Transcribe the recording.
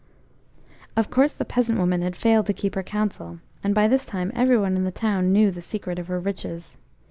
Of course the peasant woman had failed to keep her counsel, and by this time every one in the town knew the secret of her riches.